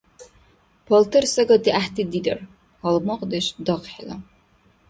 Палтар сагати гӀяхӀти дирар, гьалмагъдеш - дахъхӀила.